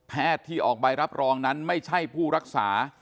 ที่ออกใบรับรองนั้นไม่ใช่ผู้รักษา